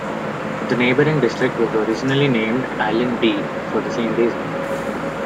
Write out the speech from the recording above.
The neighbouring district was originally named Alyn-Dee for the same reason.